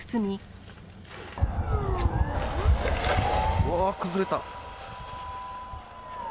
うわー、崩れた。